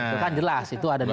itu kan jelas itu ada di